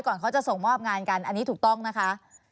ก่อนเขาจะส่งมอบงานกันอันนี้ถูกต้องนะคะ